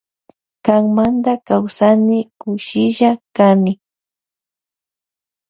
Kanmanta kawsani kushilla kani.